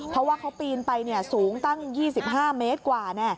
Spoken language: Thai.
เพราะว่าเขาปีนไปสูงตั้ง๒๕เมตรกว่า